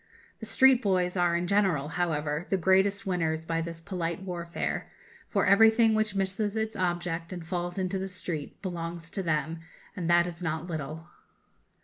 The street boys are in general, however, the greatest winners by this polite warfare; for everything which misses its object and falls into the street belongs to them, and that is not little....